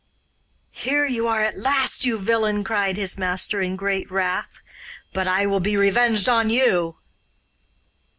'Here you are at last, you villain!' cried his master in great wrath. 'But I will be revenged on you.